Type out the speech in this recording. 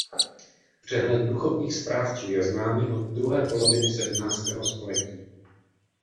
Přehled duchovních správců je známý od druhé poloviny sedmnáctého století.